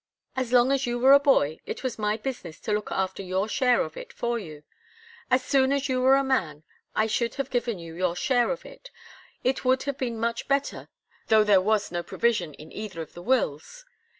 As long as you were a boy, it was my business to look after your share of it for you. As soon as you were a man, I should have given you your share of it. It would have been much better, though there was no provision in either of the wills.